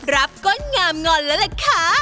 รับก็งามงอนแล้วแหละค่ะ